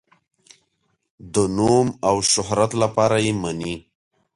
د نوم او شهرت لپاره یې مني.